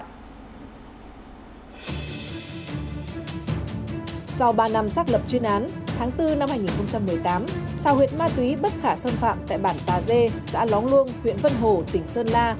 sau ba năm xác lập chuyên án tháng bốn năm hai nghìn một mươi tám sao huyện ma túy bất khả xâm phạm tại bản tà dê xã lóng luông huyện vân hồ tỉnh sơn la